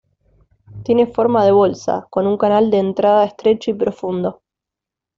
Tiene forma de bolsa, con un canal de entrada estrecho y profundo.